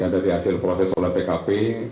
dari hasil proses solar pkp